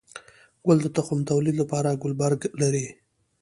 گل د تخم توليد لپاره ګلبرګ لري